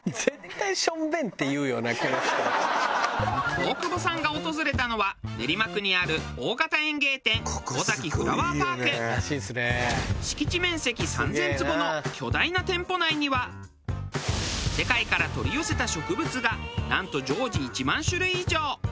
大久保さんが訪れたのは練馬区にある大型園芸店敷地面積３０００坪の巨大な店舗内には世界から取り寄せた植物がなんと常時１万種類以上。